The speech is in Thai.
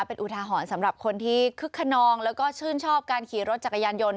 เป็นอุทาหรณ์สำหรับคนที่คึกขนองแล้วก็ชื่นชอบการขี่รถจักรยานยนต์